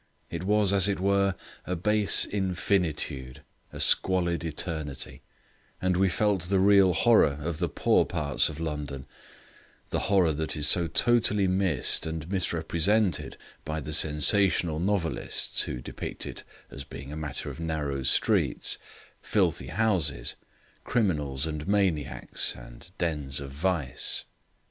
It was, as it were, a base infinitude, a squalid eternity, and we felt the real horror of the poor parts of London, the horror that is so totally missed and misrepresented by the sensational novelists who depict it as being a matter of narrow streets, filthy houses, criminals and maniacs, and dens of vice.